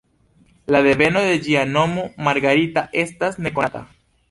La deveno de ĝia nomo, ""Margarita"", estas nekonata.